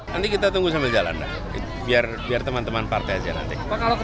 nanti kita tunggu sambil jalan biar teman teman partai aja nanti